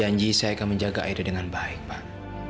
saya janji saya akan menjaga aida dengan baik pak